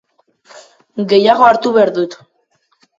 Gehiago hartu behar dut